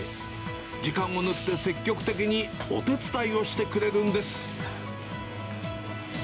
時間をぬって積極的にお手伝いをしてくれるんです。